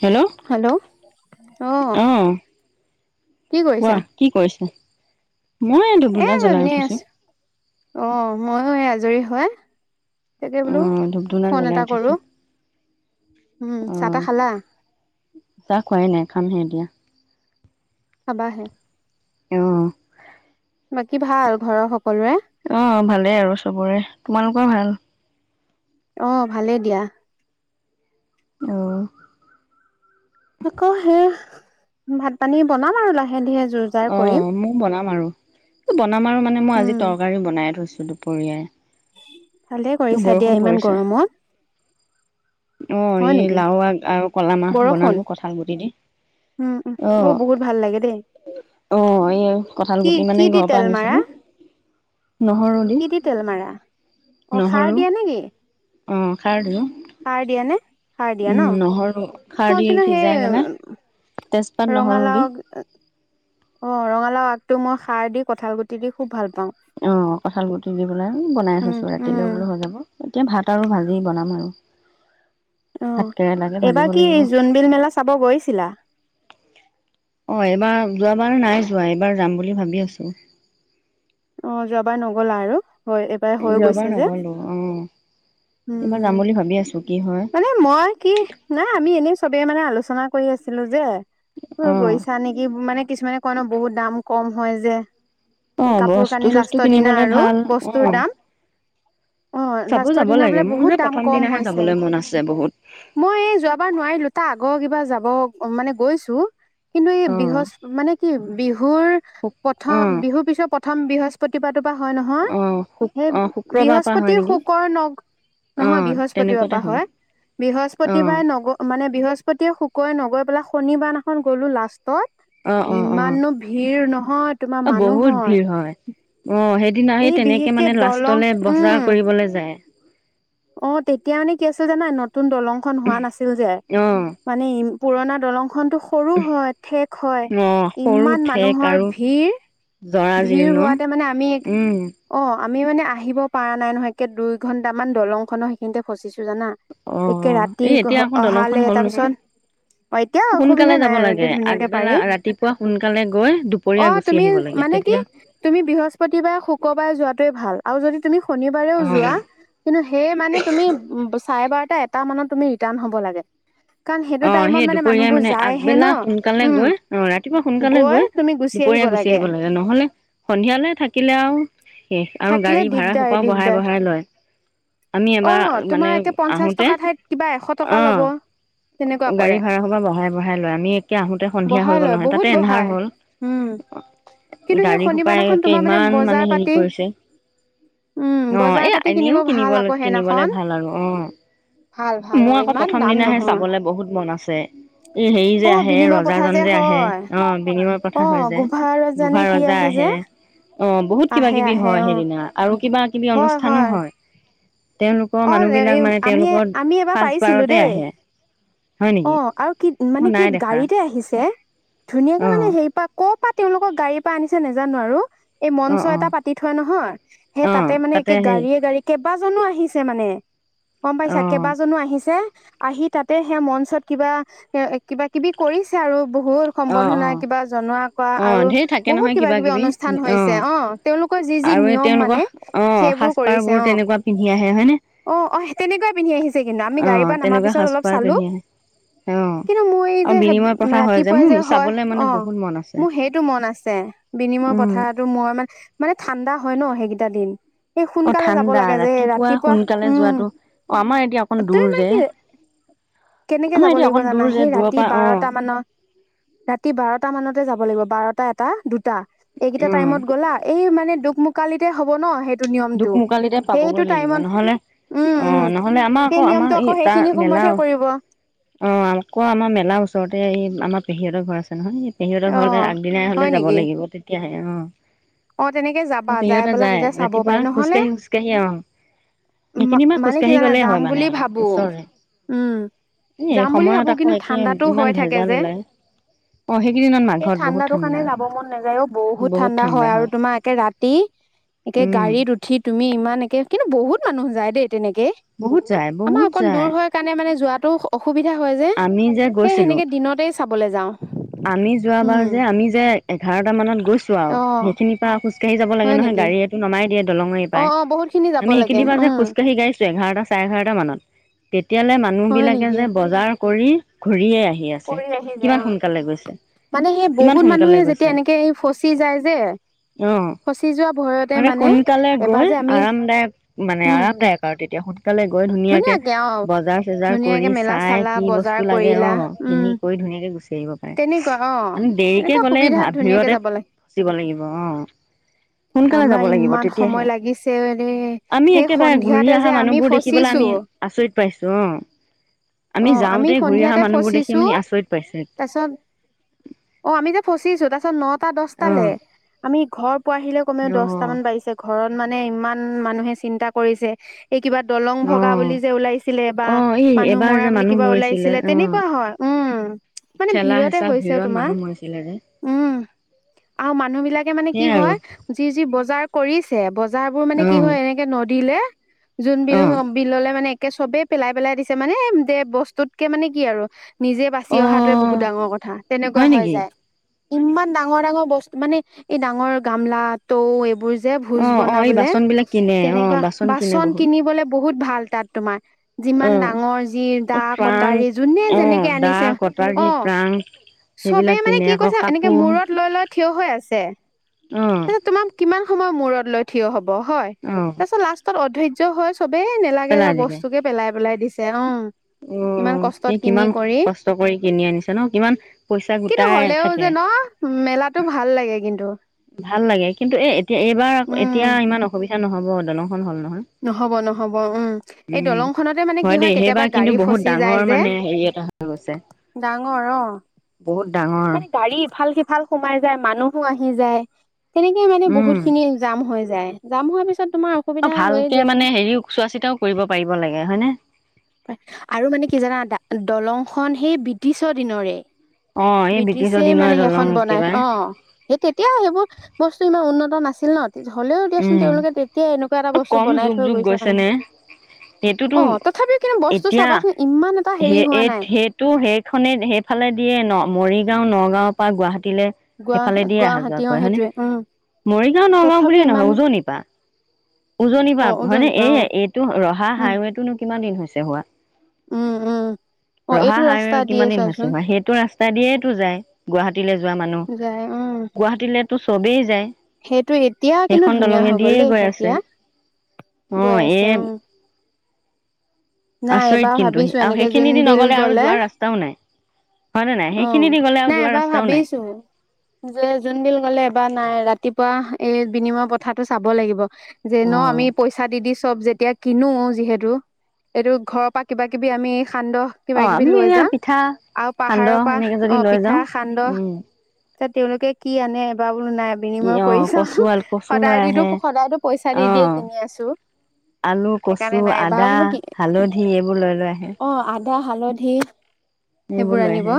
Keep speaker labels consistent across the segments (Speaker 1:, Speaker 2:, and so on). Speaker 1: Hello
Speaker 2: অ
Speaker 1: আহ
Speaker 2: কি
Speaker 1: কোৱা
Speaker 2: কৰিছা
Speaker 1: কি কৰিছে
Speaker 2: এ জী আছো অ মই এই আজৰি হয় তাকে বোলো
Speaker 1: অঁ ধূপ ধূনা
Speaker 2: ফোন
Speaker 1: জ্বলাই
Speaker 2: এটা
Speaker 1: উঠিছো।
Speaker 2: কৰো উম চাহ
Speaker 1: অঁ
Speaker 2: তাহ খালা
Speaker 1: চাহ খোৱাই নাই খামহে দিয়া [unintelligible]
Speaker 2: হাবাহ হে [unintelligible]
Speaker 1: অ
Speaker 2: বাকী ভাল ঘৰৰ সকলোৰে
Speaker 1: অ ভালেই আৰু চবৰে তোমালোকৰ ভাল
Speaker 2: আহ ভালেই দিয়া
Speaker 1: আহ
Speaker 2: আকৌ সেই ভাত পানী বনাম আৰু লাহে ধী
Speaker 1: অ মই বনাম আৰু বনাম আৰু মে মই আজি তৰকাৰী বনাই থৈছো দুপৰীয়াাৰ
Speaker 2: ভালেই কৰিছা দিয়া ইমান গৰমত
Speaker 1: আহ
Speaker 2: হয়
Speaker 1: এই
Speaker 2: নেকি
Speaker 1: লাও আগ আৰু কল মাহ
Speaker 2: বৰষুণ
Speaker 1: বনালো কঠাল গুটি দি
Speaker 2: উম উম অ
Speaker 1: আহ
Speaker 2: বহুত ভাল লাগে দেই
Speaker 1: [unintelligible] অ এই কঠাল
Speaker 2: কি
Speaker 1: গুটি মানে
Speaker 2: কি দি
Speaker 1: ঘৰৰ পৰা
Speaker 2: তেল মাৰা
Speaker 1: আনিছিলো নহৰু দি
Speaker 2: কি তেল মাৰা অ সাৰ
Speaker 1: নহৰু
Speaker 2: দিয়া নেকি
Speaker 1: অ খাৰ দি নো
Speaker 2: সাৰ দিয়া নে সাৰ দিয়া
Speaker 1: উম
Speaker 2: ন
Speaker 1: নহৰু খাৰ
Speaker 2: মই
Speaker 1: দি
Speaker 2: কিন্তু সেই
Speaker 1: সিজাই মেলাই তেজপাত নহৰু
Speaker 2: ৰঙালাও
Speaker 1: দি
Speaker 2: অ ৰঙালাও আগটো মই সাৰ দি কঠাল গুটি দি খুব ভাল পাওঁ
Speaker 1: অ কঁঠাল গুটি দি পেলাই বনাই
Speaker 2: উম
Speaker 1: থৈছো ৰাতিলেলৈ
Speaker 2: উম
Speaker 1: বোলো হৈ যাব এতিয়া ভাত আৰু ভাজি বনাম আৰু ভাত
Speaker 2: আহ
Speaker 1: কেৰেলাকে ভাজিব
Speaker 2: এইবাৰ কি
Speaker 1: লাগিব
Speaker 2: জোনবিল মেলা চাব গৈছিলা
Speaker 1: আমাৰ নাই যোৱা এইবাৰ যাম বুলি ভাবি আছো
Speaker 2: মই যোৱাবাৰ নগ'লা আৰু হয় এইবাৰে হৈ
Speaker 1: যোৱাবাৰ
Speaker 2: গৈছে যে
Speaker 1: নগলো অ এইবাৰ যাম
Speaker 2: উম
Speaker 1: বুলি ভাবি আছো কি হয়
Speaker 2: মানে মই কি নাই আমি এনে চবেই মানে আলোচনা কৰি আছিলো যে ত
Speaker 1: অ
Speaker 2: গৈছা নেকি মানে কিছুমানে কো বহুত দাম কম হয় যে
Speaker 1: অ
Speaker 2: কাপোৰ
Speaker 1: বস্তু
Speaker 2: কানি
Speaker 1: চস্তু
Speaker 2: লাষ্টৰ দিনা
Speaker 1: কিনিবলে
Speaker 2: আৰু
Speaker 1: ভাল
Speaker 2: বস্তুৰ
Speaker 1: অ
Speaker 2: দাম অ
Speaker 1: চাব
Speaker 2: লাষ্টৰ
Speaker 1: যাব
Speaker 2: দিনা
Speaker 1: লাগে
Speaker 2: বোলে
Speaker 1: মোৰ যে
Speaker 2: বহুত দাম
Speaker 1: প্ৰথম
Speaker 2: কম
Speaker 1: দিনাহে
Speaker 2: হৈছে
Speaker 1: যাবলৈ মন আছে বহুত
Speaker 2: মই এই যোৱাবাৰ নোৱাৰিলো তাক অহ কিবা যাব মানে গৈছো কিন্তু এই
Speaker 1: অ
Speaker 2: বৃহস্পতি মানে কি বিহু বিহুৰ
Speaker 1: শুক অ
Speaker 2: প্ৰথম বিহুৰ পিছত প্ৰ থম বৃহস্পতিবাৰ টো হয় নহয়
Speaker 1: অ শুক
Speaker 2: সেই
Speaker 1: অ শুক্ৰবাৰৰ পৰা
Speaker 2: বৃহস্পতি
Speaker 1: হয় নেকি
Speaker 2: শুকৰ নগ নহয়
Speaker 1: অ',
Speaker 2: বৃহস্পতিবাৰ
Speaker 1: তেনেকুৱাতে
Speaker 2: পৰা হয়
Speaker 1: অ',
Speaker 2: বৃহস্পতিবাৰে নগ মানে বৃহস্পতি শুকৰে নগ গৈ পেলাই শনিবাৰ নাখন গ'লো লাষ্ট ত
Speaker 1: অ', অ', অ',
Speaker 2: ইমানো ভিৰ নহ য়
Speaker 1: অ বহুত ভিৰ হয় অ সেইদিনা সেই
Speaker 2: এই
Speaker 1: তেনেকে
Speaker 2: বিশেষকে
Speaker 1: মানে
Speaker 2: দলং
Speaker 1: লাষ্টলে
Speaker 2: উম
Speaker 1: বজাৰ কৰিবলৈ যায়
Speaker 2: অ তেতিয়া মানে কি আছিল জানা ন নতুন দলংখন হোৱা নাছিল যে
Speaker 1: অ'।
Speaker 2: মানে ই পুৰণা দলংখনতো সৰু হয় ঠেক হয়
Speaker 1: অ', সৰু
Speaker 2: ইমান
Speaker 1: ঠেক
Speaker 2: মানুহৰ
Speaker 1: আৰু
Speaker 2: ভিৰ
Speaker 1: জৰা
Speaker 2: ভিৰ
Speaker 1: জীৰ্ণ
Speaker 2: হোৱাতে মানে আমি
Speaker 1: উম,
Speaker 2: অ আমি মানে আহিব পাৰা নাই নহয় একে দুই ঘন্টামান দলং খনৰ সেইখিনিতে ফচিছো জানা।
Speaker 1: অ
Speaker 2: একে ৰাতি
Speaker 1: এই এতিয়া আকৌ
Speaker 2: অহালে
Speaker 1: দলংখন হ'ল
Speaker 2: তাৰ
Speaker 1: নহয়
Speaker 2: পিছত অ এতিয়া অসুবিধা
Speaker 1: সোনকালে
Speaker 2: নাই
Speaker 1: যাব
Speaker 2: আৰু এতিয়া
Speaker 1: লাগে
Speaker 2: ধুনীয়াকে পাৰি
Speaker 1: আগবেলা ৰাতিপুৱা সোনকালে গৈ
Speaker 2: অ
Speaker 1: দুপৰীয়া গুচি
Speaker 2: তুমি
Speaker 1: আহিব লাগে
Speaker 2: মানে কি
Speaker 1: তেতিয়া
Speaker 2: তুমি বৃহস্পতিবাৰে শুক্ৰবাৰে যোৱাটোৱে ভাল আৰু যদি তুমি শনিবাৰেও যোৱা
Speaker 1: অ'।
Speaker 2: কিন্তু সেয়ে মানে তুমি চাই বাৰট টা এটা মানত তুমি ৰিটাৰ্ণ হ'ব লাগে কাৰণ সেইটো
Speaker 1: অ
Speaker 2: টাইমত
Speaker 1: সেই দুপৰীয়াই
Speaker 2: মানুহবোৰ
Speaker 1: মানে
Speaker 2: যায়হে ন
Speaker 1: আগবেলা সোনকালে
Speaker 2: উম
Speaker 1: গৈ ৰাতিপুৱা সোনকালে গৈ দুপৰীয়া গুচি আহিব লাগে নহলে সন্ধিয়ালৈ থাকিলে আৰু শেষ আৰু
Speaker 2: থাকিলে
Speaker 1: গাড়ী ভাড়া
Speaker 2: দিগদাৰ
Speaker 1: সোপাও বঢ়াই
Speaker 2: দিগদাৰ
Speaker 1: বঢ়াই লয় আমি
Speaker 2: অ
Speaker 1: এবাৰ মানে
Speaker 2: তোমাৰ এতিয়া পঞ্চাশ
Speaker 1: আহোতে
Speaker 2: টকা ঠাইত কিবা এশ টকা
Speaker 1: অ
Speaker 2: ল'ব তেনেকুৱা
Speaker 1: গাড়ী
Speaker 2: কৰে
Speaker 1: ভাড়া সোপা বঢ়াই বঢ়াই লয় আমি একে আহোতে সন্ধিয়া হৈ
Speaker 2: বঢ়াই
Speaker 1: গল
Speaker 2: লয়
Speaker 1: নহয় তাতে
Speaker 2: বহুত
Speaker 1: এন্ধাৰ
Speaker 2: বঢ়াই
Speaker 1: হল
Speaker 2: উম কিন্তু সেই
Speaker 1: গাড়ী সোপাই
Speaker 2: শনিবাৰনাখন
Speaker 1: একে
Speaker 2: তোমাৰ
Speaker 1: ইমান মানে
Speaker 2: বজাৰ
Speaker 1: হেৰি
Speaker 2: পাতি
Speaker 1: কৰিছে
Speaker 2: উম
Speaker 1: ন
Speaker 2: বজাৰ পাতি
Speaker 1: এনেও কিনিব
Speaker 2: ভাল
Speaker 1: লাগে
Speaker 2: আকৌ
Speaker 1: কিনিবলৈ
Speaker 2: সেইদিনাখন
Speaker 1: ভাল আৰু অ
Speaker 2: ভাল ভাল অ
Speaker 1: মোৰ আকৌ
Speaker 2: ইমান
Speaker 1: প্ৰথম
Speaker 2: দাম
Speaker 1: দিনাহে
Speaker 2: নহয়
Speaker 1: চাবলে বহুত মন আছে এই হেৰি যে
Speaker 2: অ
Speaker 1: আহে
Speaker 2: বিনিময় প্ৰথা
Speaker 1: ৰজাজন যে আহে
Speaker 2: হয়
Speaker 1: ন বিনিময়ৰ
Speaker 2: অ
Speaker 1: কথা হয় যে
Speaker 2: গোভা ৰজা নে
Speaker 1: গোভাৰজা
Speaker 2: কি
Speaker 1: ৰজা আহে
Speaker 2: যে
Speaker 1: অ বহুত কিবা
Speaker 2: আহে
Speaker 1: কিবি
Speaker 2: আহে
Speaker 1: হয়
Speaker 2: অ
Speaker 1: সেইদিনা আৰু কিবা কিবি অনুষ্ঠানো হয় তেওঁলোকৰ
Speaker 2: অ
Speaker 1: মানুহ বিলাক মানে
Speaker 2: আমি
Speaker 1: তেওঁলোকৰ
Speaker 2: আমি এবাৰ
Speaker 1: সাজ
Speaker 2: পাৰিছিলো
Speaker 1: পাৰতে
Speaker 2: দেই
Speaker 1: আহে হয়
Speaker 2: অ
Speaker 1: নেকি?
Speaker 2: আৰু কি মানে
Speaker 1: মই
Speaker 2: কি
Speaker 1: নাই দেখা
Speaker 2: গাড়ীতে আহিছে ধুনীয়াকে
Speaker 1: অ
Speaker 2: মানে হেৰি পা ক বা তেওঁলোকৰ গাড়ীৰ পৰা আনিছে নেজানো আৰু এই
Speaker 1: অ
Speaker 2: মঞ্চ
Speaker 1: অ
Speaker 2: এটা পাতি থয় নহয় সেই
Speaker 1: অ
Speaker 2: তাতে মানে একে
Speaker 1: হেৰি
Speaker 2: গাড়ীয়ে গাড়ী কে কিবাজনো আহিছ ছে মানে গম
Speaker 1: অ
Speaker 2: পাইছা কেইবাজনো আহিছে আহি তাতে সে মঞ্চত কিবা কিবা কিবি কৰিছে আৰু বহুত
Speaker 1: অ অ
Speaker 2: সম্বৰ্ধনা কিবা জনোৱা কোৱা
Speaker 1: অ
Speaker 2: আৰু
Speaker 1: ঢেৰ থাকে
Speaker 2: বহুত
Speaker 1: নহয়
Speaker 2: কিবা কিবি অনুষ্ঠান হৈছে অ তেওঁলোকৰ যি যি
Speaker 1: আৰু এই
Speaker 2: নিয়ম
Speaker 1: তেওঁলোকৰ
Speaker 2: মানে
Speaker 1: অ সাজ
Speaker 2: সেইবোৰ কৰিছে
Speaker 1: পাৰবোৰ
Speaker 2: অঁ।
Speaker 1: তেনেকুৱা পিন্ধি আহে হয়নে?
Speaker 2: অ অ তেনেকুৱাই পিন্ধি আহিছে কিন্তু আমি
Speaker 1: অ
Speaker 2: গাড়ীৰ পৰা নামাৰ
Speaker 1: তেনেকুৱা
Speaker 2: পিছত
Speaker 1: সাজ
Speaker 2: অলপ
Speaker 1: পাৰ
Speaker 2: চালো
Speaker 1: পিন্ধি আহে অ
Speaker 2: কিন্তু মো এই
Speaker 1: আৰু
Speaker 2: যে ৰাতি
Speaker 1: বিনিময় প্ৰথা হয়
Speaker 2: ৰাতিপুৱাই
Speaker 1: মোৰ
Speaker 2: যে হয়
Speaker 1: চাবলৈ মানে
Speaker 2: অ
Speaker 1: বহুত মন আছে।
Speaker 2: মোৰ সেইটো মন আছে বিনিময়
Speaker 1: উম
Speaker 2: প্ৰথাটো মই মানে মানে ঠাণ্ডা হয় ন সেই কেইদিন টা দিন এই
Speaker 1: অ
Speaker 2: সোনকালে যাব
Speaker 1: ঠাণ্ডা
Speaker 2: লাগে যে
Speaker 1: ৰাতিপুৱা
Speaker 2: ৰাতি।
Speaker 1: সোনকালে যোৱাতটো অ আমাৰ এতিয়া অকন
Speaker 2: তই
Speaker 1: দূৰ
Speaker 2: মানে
Speaker 1: যে
Speaker 2: কি কেনেকে যাব
Speaker 1: আমাৰ এতিয়া
Speaker 2: লাগিব
Speaker 1: অকণ
Speaker 2: জানা
Speaker 1: দূৰ যে
Speaker 2: সেই
Speaker 1: দূৰৰ
Speaker 2: ৰাতি
Speaker 1: পৰা
Speaker 2: বাৰটা
Speaker 1: অঁ।
Speaker 2: মানৰ ৰাতি বাৰটা মানতে যাব লাগিব বাৰটা এটা দুটা এইকেইটা
Speaker 1: উম,
Speaker 2: টাইমত গ'লা এই মানে দুখমুখ কালিতে হ'ব ন সেইটো নিয়মটো
Speaker 1: দোকমোকালিতে পাবগৈ
Speaker 2: সেইটো
Speaker 1: লাগিব
Speaker 2: টাইমত
Speaker 1: নহলে
Speaker 2: উম
Speaker 1: অ
Speaker 2: উম
Speaker 1: নহ'লে আমাৰ
Speaker 2: সেই
Speaker 1: আকৌ আমাৰ
Speaker 2: নিয়মটো
Speaker 1: ই
Speaker 2: সেইখিনি
Speaker 1: তাত মেলাও
Speaker 2: সময়তহে কৰিব
Speaker 1: অ আকৌ আমাৰ মেলাৰ ওচৰতে এই আমাৰ পেহীহঁতৰ ঘৰ আছে নহয় সিহঁৰ
Speaker 2: অ
Speaker 1: ঘৰলৈ আগদিনাই
Speaker 2: হয়
Speaker 1: হলে যাব
Speaker 2: নেকি
Speaker 1: লাগিব তেতিয়াহে উম
Speaker 2: অ তেনেকে যাবা যাই পেলাই তেতিয়া চাব পাৰি
Speaker 1: ৰাতিপুৱা
Speaker 2: নহলে
Speaker 1: খোজকাঢ়ি খোজকাঢ়ি অ সেইখিনি বা
Speaker 2: মানে কি
Speaker 1: খোজকাঢ়ি
Speaker 2: জানা
Speaker 1: গ'লেই
Speaker 2: যাম
Speaker 1: হয় মানে
Speaker 2: বুলি
Speaker 1: আৰু
Speaker 2: ভাবো
Speaker 1: ওচৰৰে
Speaker 2: উম।
Speaker 1: এই
Speaker 2: যাম বুলি
Speaker 1: সময়ত
Speaker 2: ভাবো
Speaker 1: আকৌ
Speaker 2: কিন্তু
Speaker 1: একে
Speaker 2: ঠাণ্ডাতো
Speaker 1: ইমান
Speaker 2: হয় থাকে
Speaker 1: ভেজাল
Speaker 2: যে
Speaker 1: ওলাই অ সেইকেইদিনত
Speaker 2: সেই
Speaker 1: মাঘত বহুত
Speaker 2: ঠাণ্ডাটো কাৰণে
Speaker 1: ঠাণ্ডা
Speaker 2: যাব মন নেযায় অ বহুত ঠাণ্ডা হয় আৰু তোমাৰ একে ৰাতি একে
Speaker 1: উম
Speaker 2: গাড়ীত উঠি তুমি ইমান একে কিন্তু বহুত মানুহ যায় দেই। তেনেকেই
Speaker 1: বহুত যায়
Speaker 2: আমাৰ
Speaker 1: বহুত
Speaker 2: অকন দূৰ
Speaker 1: যায়
Speaker 2: হ কাৰণে মানে যোৱাত তৃতো অসু
Speaker 1: আমি যে গৈছিলোঁ
Speaker 2: দিনতেই চাবলৈ যাওঁ
Speaker 1: আমি যোৱাবাৰ যে আমি যে এঘাৰটা মানত গৈছো আৰু
Speaker 2: অ
Speaker 1: সেইখিনি তাৰপাছত খোজ কাঢ়ি যাব লাগে
Speaker 2: হয়
Speaker 1: নহয়
Speaker 2: নেকি
Speaker 1: গাড়ীয়েতো নমাই দিয়ে। দলঙ এই
Speaker 2: অ
Speaker 1: পাই
Speaker 2: অ বহুত খিনি যাব
Speaker 1: আমি
Speaker 2: লাগে
Speaker 1: কেতিয়াবা যে
Speaker 2: উম
Speaker 1: খোজকাঢ়ি গাইছো এঘাৰটা চাৰে এঘাৰটা মানত। তেতিয়ালে
Speaker 2: হয়
Speaker 1: মানুহবিলাকে
Speaker 2: নেকি
Speaker 1: যে বজাৰ কৰি ঘূৰিয়ে আহি আছে
Speaker 2: কৰি আহি
Speaker 1: কিমান
Speaker 2: যায়
Speaker 1: সোনকালে গৈছে
Speaker 2: অ মানে সেই
Speaker 1: কিমান
Speaker 2: বহুত
Speaker 1: সোনকালে
Speaker 2: মানুহে যেতিয়া
Speaker 1: গৈছে
Speaker 2: এনেকে ফচি যায় যে
Speaker 1: অ
Speaker 2: ফচি যোৱা ভয়তে মানে
Speaker 1: সোনকালে গৈ
Speaker 2: এবাৰ যে আমি উম
Speaker 1: তেওঁ হঁত সোনকালে গৈ ধুনীয়াকৈ
Speaker 2: ধুনীয়াকে অ
Speaker 1: বজাৰ চজাৰ কৰি
Speaker 2: ধুনীয়াকে মেলা
Speaker 1: চাই
Speaker 2: চালা
Speaker 1: কি
Speaker 2: বজাৰ
Speaker 1: বস্তু লাগে
Speaker 2: কৰিলা
Speaker 1: অ
Speaker 2: উম
Speaker 1: কিনি কৰি ধুনীয়াকে গুচি
Speaker 2: তেনেকুৱা অ
Speaker 1: মানে দেৰিকে
Speaker 2: তেনেকুৱা
Speaker 1: গলে
Speaker 2: সুবিধাত ধুনীয়াকে
Speaker 1: ভিৰতে
Speaker 2: যাব লাগে
Speaker 1: ফচিব লাগিব অ সোনকালে
Speaker 2: আমাৰ
Speaker 1: যাব লাগিব
Speaker 2: ইমান
Speaker 1: তেতিয়াহে
Speaker 2: সময় লাগিছে ৰে
Speaker 1: আমি
Speaker 2: সেই
Speaker 1: একেবাৰে ঘূৰি
Speaker 2: সন্ধিয়াতে যে
Speaker 1: অহা
Speaker 2: আমি
Speaker 1: মানুহবোৰ দেখিবলৈ
Speaker 2: ফচিছো
Speaker 1: আমি আচৰিত পাইছো অ আমি যাওঁতে ঘূৰি অহা মানুহবোৰ দেখি মানে আচৰিত পাইছে
Speaker 2: তাৰছত অ আমি যে ফচিছো তাৰপাছত ন এটা
Speaker 1: অ
Speaker 2: দছটালৈ আমি ঘৰ পুৱাহিলৈ আহিলে কমেও
Speaker 1: অ
Speaker 2: দছটা মান বাজিছে ঘৰত মানে ইমান মানুহে চিন্তা কৰিছে এই কিবা দলং
Speaker 1: অ
Speaker 2: ভগা বুলি যে ওলাইছিলে এবা
Speaker 1: অ এই
Speaker 2: মানুহ
Speaker 1: এবাৰ
Speaker 2: মৰা
Speaker 1: যে
Speaker 2: বুলি
Speaker 1: মানুহ
Speaker 2: কিবা
Speaker 1: মৰিছিলে
Speaker 2: ওলাইছিলে
Speaker 1: অ
Speaker 2: তেনেকুৱা হয় উম মানে
Speaker 1: ঠেলা
Speaker 2: ভিৰতে
Speaker 1: হেঁচা
Speaker 2: হৈছে
Speaker 1: ভিৰত
Speaker 2: তোমাৰ
Speaker 1: মানুহ মৰিছিলে যে
Speaker 2: উম আৰু মানুহ বিলাকে মানে
Speaker 1: সেয়াই
Speaker 2: কি
Speaker 1: আৰু
Speaker 2: হয় যি যি বজাৰ কৰিছে বজাৰ যাৰ বোৰ মানে কি
Speaker 1: অ',
Speaker 2: হয় এনেকে নদিলে যোন বিল
Speaker 1: অ'।
Speaker 2: হক বিললে মানে চবে পেলাই পেলাই দিছে মানে যে বস্তুতকে মানে কি আৰু নিজে সি অহাটোৱে বহুত
Speaker 1: অ',
Speaker 2: ডাঙৰ কথা তেনেকুৱা হয় যায় ইমান ডাঙৰ ডাঙৰ বস্তু মানে এই ডাঙৰ গামলা তৌ এইবোৰ যে ভোজ
Speaker 1: অ', অ', এই
Speaker 2: বনাবলে
Speaker 1: বাচন বিলাক কিনে অ',
Speaker 2: তেনেকুৱা
Speaker 1: কিনে
Speaker 2: বাচন
Speaker 1: বহুত
Speaker 2: কিনিবলে বহুত ভাল তাঁত তোমাৰ যিমান
Speaker 1: অ',
Speaker 2: ডাঙৰ যি দা,
Speaker 1: ট্ৰাংক
Speaker 2: কটাৰী যোনে যেনেকে
Speaker 1: অ', দা
Speaker 2: আনিছে অ
Speaker 1: কটাৰী ট্ৰাংক
Speaker 2: চবে
Speaker 1: সেইবিলাক
Speaker 2: মানে
Speaker 1: কিনে
Speaker 2: কি
Speaker 1: আকৌ
Speaker 2: কৈছে এনেকে
Speaker 1: কাপোৰ
Speaker 2: মূৰত লৈ লৈ থিয় হৈ আছে
Speaker 1: অ',
Speaker 2: তাৰপিছত তোমাক কিমান সময় মূৰত লৈ থিয় হ'ব হয়
Speaker 1: অ',
Speaker 2: তাৰপিছত লাষ্ট অধ জহজ [unintelligible] চবেই নেলাগে
Speaker 1: পেলাই দিলে
Speaker 2: বস্তুকে পেলাই পেলাই দিছে অ
Speaker 1: অ
Speaker 2: ইমান কষ্টত
Speaker 1: দি
Speaker 2: কিনি
Speaker 1: কিমান
Speaker 2: কৰি
Speaker 1: কষ্ট কৰি কিনি আনিছে ন কিমান পইচা
Speaker 2: কিন্তু
Speaker 1: গোটাই
Speaker 2: হলেও
Speaker 1: থাকে
Speaker 2: যে ন মেলাটো ভাল লাগে কিন্তু
Speaker 1: ভাল লাগে কিন্তু এ এতিয়া এইবাৰ এতিয়া ইমান অসুবিধা নহ'ব দলং
Speaker 2: নহব-নহব উম এই দলংখনতে মানে কি হয়
Speaker 1: দেই
Speaker 2: কেতিয়াবা
Speaker 1: সেইবাৰ কিন্তু
Speaker 2: গাড়ী
Speaker 1: বহুত
Speaker 2: ফচি যায়
Speaker 1: ডাঙৰ
Speaker 2: যে,
Speaker 1: মানে হেৰি এটা হৈ গৈছে
Speaker 2: ডাঙৰ অ',
Speaker 1: বহুত ডাঙৰ
Speaker 2: মানে গাড়ী ইফাল-সিফা ভাল সোমাই যায় মানুহো আহি যায়। তেনেকে মানে বহুত
Speaker 1: উম।
Speaker 2: খিনি জাম হৈ যায়। য যাম হোৱাৰ পিছত। তোমাৰ
Speaker 1: অ
Speaker 2: অসুবিধা হৈয়ে
Speaker 1: ভালকে
Speaker 2: দিয়াচোন
Speaker 1: মানে হেৰিও চোৱা চিতাও কৰিব পাৰিব লাগে হয় নে।
Speaker 2: আৰু মানে কি জানা দলংখন সেই ব্ৰিটিছৰ দিনৰে।
Speaker 1: অ এই ব্ৰিটিছৰ
Speaker 2: ব্ৰিটিছে
Speaker 1: দিনৰ
Speaker 2: মানে
Speaker 1: দলং
Speaker 2: সেইখন বনাই
Speaker 1: একেবাৰে
Speaker 2: অ সেই তেতিয়া সেইবোৰ বস্তু ইমান উন্নত নাছিল ন, হ'লেও দিয়াচোন
Speaker 1: উম
Speaker 2: তেওঁলোকে তেতিয়া এনেকুৱা এটা
Speaker 1: অ
Speaker 2: বস্তু
Speaker 1: কম
Speaker 2: বনাই
Speaker 1: যুগ
Speaker 2: থৈ
Speaker 1: যুগ
Speaker 2: গৈছে কাৰণে।
Speaker 1: নে সেইটোতো
Speaker 2: অ' তথাপি
Speaker 1: এতিয়া সেই এই সেইটো, সেইখনে, সেইফালে দিয়ে ন মই মৰিগাঁও, নগাঁৱৰ পৰা গুৱাহাটী পাতিলে
Speaker 2: গুৱা
Speaker 1: সেইফালে দিয়ে অহা যোৱা
Speaker 2: গুৱাহাটী অ
Speaker 1: কৰে হয়নে।
Speaker 2: সেইটোৱে উম
Speaker 1: মৰিগাঁও, নগাঁও
Speaker 2: তথাপি
Speaker 1: বুলিয়ে নহয়।
Speaker 2: ইমান
Speaker 1: উজনি পা। উজনি পা
Speaker 2: অ
Speaker 1: হয়নেে
Speaker 2: উজনিৰ পৰা
Speaker 1: এই
Speaker 2: অ
Speaker 1: এইটো ৰহা
Speaker 2: উম
Speaker 1: হাইৱে টোনো কিমান দিন হৈছে। হৈছে হোৱা।
Speaker 2: উম উম অ
Speaker 1: ৰহা
Speaker 2: এইটো ৰাস্তা
Speaker 1: হাইৱে
Speaker 2: দিয়ে
Speaker 1: কিমান দিন হৈছে
Speaker 2: চোৱাচোন
Speaker 1: সেইটো ৰাস্তাই দিয়েইটো যায় গুৱাহাটীলৈ যোৱা মানুহ,
Speaker 2: যায় উম
Speaker 1: গুৱাহাটীলে ত' চবেই যায়।
Speaker 2: সেইটো এতিয়া কিন্তু
Speaker 1: সেইখন
Speaker 2: ধুনীয়া
Speaker 1: দলঙে
Speaker 2: হৈ গ'ল
Speaker 1: দিয়ে
Speaker 2: দেই
Speaker 1: গৈ আছে
Speaker 2: এতিয়া
Speaker 1: অ
Speaker 2: গৈ আছে
Speaker 1: এই
Speaker 2: উম', নাই এবাৰ
Speaker 1: আচৰিত কিন্তু
Speaker 2: ভাবিছো এনেকে
Speaker 1: সেইখিনি দিন
Speaker 2: জোনবিল
Speaker 1: নগলে আৰু
Speaker 2: গলে
Speaker 1: যোৱা ৰাস্তাও নাই। হয় নে নাই সেইখিনি
Speaker 2: অ'
Speaker 1: দি গ'লে আৰু
Speaker 2: নাই
Speaker 1: যোৱাৰ
Speaker 2: এবাৰ
Speaker 1: ৰাস্তাও নাই
Speaker 2: ভাবিছো যে যোনবিল গলে এবাৰ নাই ৰাতি পোৱা এই বিনিময় প্ৰথাৰটো চাব লাগিব। যে ন
Speaker 1: অ
Speaker 2: আমি পইচা দি দিছো, চব যেতিয়া কিনো যিহেতু এইটো ঘৰৰ পৰা কিবা-কিবি আমি সান্দহ
Speaker 1: অ
Speaker 2: কিবা-কিবি
Speaker 1: আমি
Speaker 2: লৈ
Speaker 1: এয়া
Speaker 2: যাম
Speaker 1: পিঠা
Speaker 2: আৰু পাহাৰৰ
Speaker 1: সান্দহ
Speaker 2: পৰা
Speaker 1: সেনেকে যদি লৈ যাও। উম'
Speaker 2: ত তেওঁলোকে কি আনে বা বোলো নাই
Speaker 1: কি
Speaker 2: বিনিময়
Speaker 1: অ
Speaker 2: কৰি চাও
Speaker 1: কচু আল কচু
Speaker 2: সদায়
Speaker 1: লৈ
Speaker 2: দি
Speaker 1: আহে
Speaker 2: সদায়তো পইচা দি
Speaker 1: অ
Speaker 2: দিয়ে কিনি আছো।
Speaker 1: আলু কচু
Speaker 2: সেইকাৰণে নাই এবাৰ
Speaker 1: আদা
Speaker 2: বোলো
Speaker 1: হালধি এইবোৰ লৈ লৈ আহে
Speaker 2: অ', আদা হালধি সেইবোৰ
Speaker 1: এইবোৰ লৈ
Speaker 2: আনিব
Speaker 1: আহে,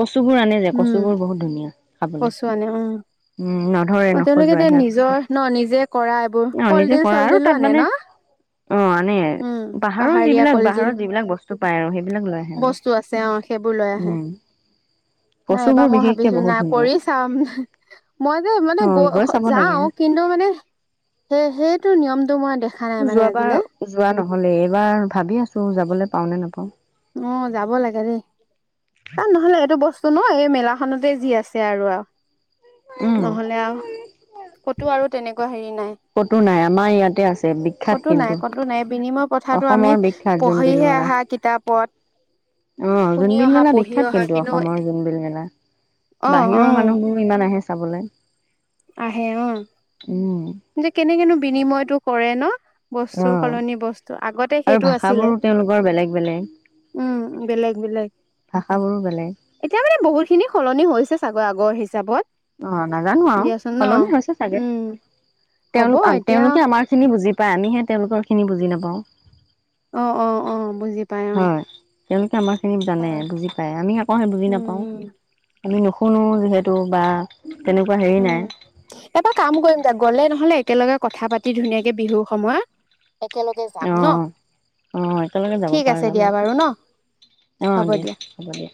Speaker 1: কচু বোৰ আনে যে কচু
Speaker 2: উম
Speaker 1: বোৰ বহুত ধুনীয়া খাবলৈ,
Speaker 2: কচু আনে উম
Speaker 1: উম ধৰে
Speaker 2: অ তেওঁলোকে
Speaker 1: নখজোৱাই
Speaker 2: এতিয়া
Speaker 1: সেয়া
Speaker 2: নিজৰ
Speaker 1: কচু,
Speaker 2: ন নিজে কৰা এইবোৰ
Speaker 1: অঁ নিজে
Speaker 2: কলডিল
Speaker 1: কৰা আৰু
Speaker 2: চলডিলো
Speaker 1: তাত
Speaker 2: আনে ন
Speaker 1: মানে অ আনে
Speaker 2: উম
Speaker 1: পাহাৰৰ
Speaker 2: পাহাৰীয়া
Speaker 1: যিবিলাক
Speaker 2: কলডিল
Speaker 1: পাহাৰত যিবিলাক বস্তু পায় আৰু সেইবিলাক লৈ আহে আৰু।
Speaker 2: বস্তু আছে সেইবোৰ লৈ আহে,
Speaker 1: উম
Speaker 2: নাই এবাৰ
Speaker 1: কচুবোৰ
Speaker 2: মই
Speaker 1: বিশেষকে
Speaker 2: ভাবিছো
Speaker 1: বহুত
Speaker 2: নাই
Speaker 1: ধুনীয়া
Speaker 2: কৰি চাম মই মই ন
Speaker 1: অ
Speaker 2: গৈ
Speaker 1: চাব লাগে
Speaker 2: যাওঁ, কিন্তু মানে সেইটো নিয়ম তোমাৰ
Speaker 1: যোৱাবাৰ যোৱা নহ'লেই, এইবাৰ ভাবি আছো যাবলৈ পাও নে নাপাও।
Speaker 2: অ' যাব লাগে দেই। কাৰণ নহ'লে এইটো বস্তু [unintelligible] ন এই মেলাখনতে যি আছে আৰু।
Speaker 1: উম
Speaker 2: নহ'লে আও, ক'তো আৰু তেনেক [inaudible]
Speaker 1: কতো নাই আমাৰ ইয়াতে আছে বিখ্যাত
Speaker 2: ক'তো নাই
Speaker 1: কিন্তু,
Speaker 2: ক'তো নাই বিনিময় প্ৰথাটো আমি
Speaker 1: অসমৰ বিখ্যাত জোনবিল
Speaker 2: পঢ়িহে
Speaker 1: মলা।
Speaker 2: আহা কিতাপত
Speaker 1: অঁ,
Speaker 2: শুনি
Speaker 1: জোনবিল
Speaker 2: অহা
Speaker 1: মেলা
Speaker 2: পঢ়ি
Speaker 1: বিখ্যাত
Speaker 2: অহা
Speaker 1: কিন্তু অসমৰ জোনবিল মেলা,
Speaker 2: অ অ
Speaker 1: বাহিৰৰ মানুহবোৰো ইমান আহে চাবলৈ।
Speaker 2: আহে অঁ কেনেকেনো বিনিময়টো কৰে ন।
Speaker 1: অ
Speaker 2: বস্তু সলনি বস্তু আগতে
Speaker 1: আৰু
Speaker 2: সেইটো আছিলে,
Speaker 1: ভাষাবোৰো তেওঁলোকৰ বেলেগ বেলেগ
Speaker 2: উম বেলেগ- বেলেগ,
Speaker 1: ভাষাবোৰো বেলেগ
Speaker 2: এতিয়া মানে বহুত খিনি সলনি হৈছে ছাগৰ আগৰ হিচাপত
Speaker 1: অঁ। নাজানো আৰু
Speaker 2: দিয়াচোন ন
Speaker 1: সলনি হৈছে চাগে,
Speaker 2: উম হ'ব
Speaker 1: তেওঁলোক-
Speaker 2: এতিয়া
Speaker 1: তেওঁলোকে আমাৰ খিনি বুজি বা আমিহে তেওঁলোকৰখিনি বুজি নাপাওঁ।
Speaker 2: অ অ-অ বুজি পাই অ।
Speaker 1: কেনেকে আমাৰ সেই জানে
Speaker 2: হয়
Speaker 1: বুজি পায়, আমি আকৌ সেই বুজি
Speaker 2: উম
Speaker 1: নাপাওঁ।
Speaker 2: উম
Speaker 1: আমি নুশুনো যিহেতু বা তেনেকুৱা হেৰি নাই
Speaker 2: উম, এটা কাম কৰিম দিয়া, গ'লে নহলে একেলগে কথা পাতি ধুনীয়াকে বিহু সময়ত একেলগে যাম ন
Speaker 1: অঁ অঁ একেলগে যাব
Speaker 2: ঠিক
Speaker 1: পাৰা
Speaker 2: আছে
Speaker 1: যাব,
Speaker 2: দিয়া বাৰু ন
Speaker 1: অঁ দিয়া হ'ব দিয়া।